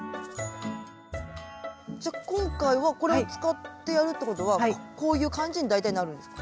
今回はこれを使ってやるってことはこういう感じに大体なるんですか？